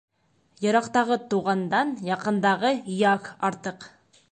Йыраҡтағы туғандан яҡындағы яг артыҡ.